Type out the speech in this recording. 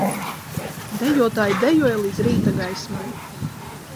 Dejotāji dejoja līdz rīta gaismai